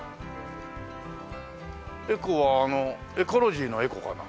「ＥＣＯ」はあのエコロジーのエコかな？